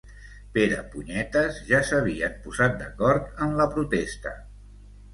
Perepunyetes ja s'havien posat d'acord en la protesta.